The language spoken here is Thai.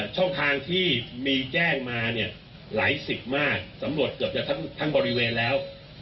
ช่องทางที่มีแจ้งมาเนี่ยหลายสิบมากสำรวจเกือบจะทั้งบริเวณแล้ว